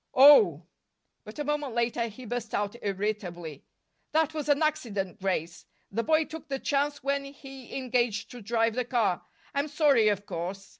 "Oh!" But a moment later he burst out irritably: "That was an accident, Grace. The boy took the chance when he engaged to drive the car. I'm sorry, of course.